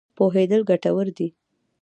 پوهېدل ګټور دی.